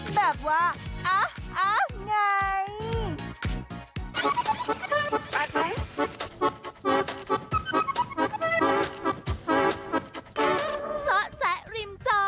แบบว่าอ๊ะอ๊ะไง